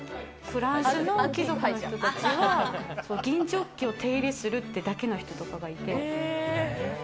フランスの貴族の人たちは銀食器を手入れするっていうだけの人とかがいて。